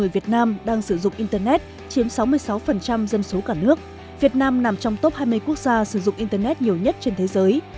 việt nam nằm trong top hai mươi quốc gia sử dụng internet nhiều nhất trên thế giới